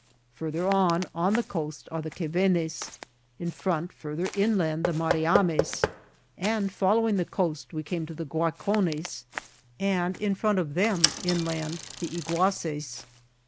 Further on, on the coast, are the Quevcnes, in front fur ther inland the Mariames, and following 123 THE JOURNEY OF the coast we come to the Guaycones, and in front of them inland the Yeguajces.